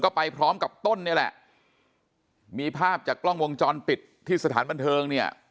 ไปพร้อมกับต้นนี่แหละมีภาพจากกล้องวงจรปิดที่สถานบันเทิงเนี่ย